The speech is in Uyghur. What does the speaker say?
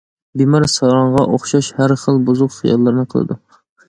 بىمار ساراڭغا ئوخشاش ھەر خىل بۇزۇق خىياللارنى قىلىدۇ.